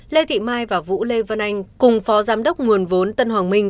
lê thị mai và vũ lê văn anh cùng phó giám đốc nguồn vốn tân hoàng minh